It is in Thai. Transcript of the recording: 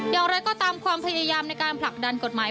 อย่างไรก็ตามความพยายามในการผลักดันกฎหมาย